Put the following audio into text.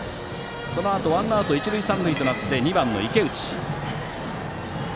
そのあとワンアウト一塁三塁となって２番の池内。